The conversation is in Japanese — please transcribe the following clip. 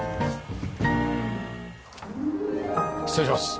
失礼します。